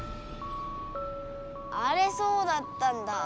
あれそうだったんだ。